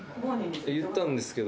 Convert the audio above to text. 言ったんですけど。